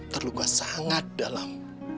terluka sangat dalam